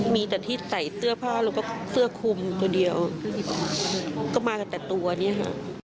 มีแต่ที่ใส่เสื้อผ้าแล้วก็เสื้อคุมตัวเดียวก็มากันแต่ตัวเนี่ยค่ะ